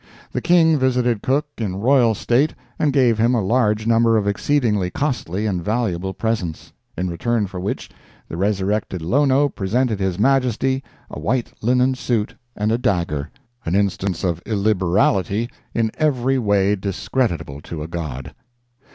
The King visited Cook in royal state and gave him a large number of exceedingly costly and valuable presents—in return for which the resurrected Lono presented His Majesty a white linen suit and a dagger—an instance of illiberality in every way discreditable to a god.